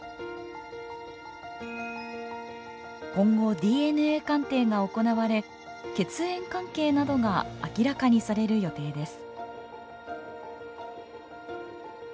今後ＤＮＡ鑑定が行われ血縁関係などが明らかにされる予定です。